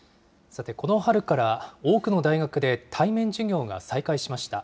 さて、この春から多くの大学で対面授業が再開しました。